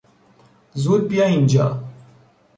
زود بیا اینجا!